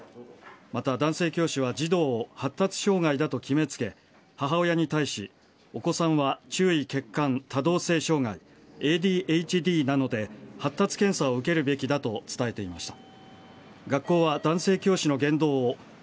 また、男性教師は児童を発達障害だと決めつけ母親に対しお子さんは注意欠陥・多動性障害ＡＤＨＤなので発達検査を受けるべきだと伝えていました。